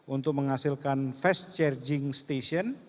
untuk menghasilkan fast charging station